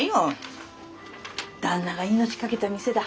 旦那が命懸けた店だ。